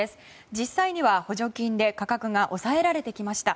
実際には補助金で価格が抑えられてきました。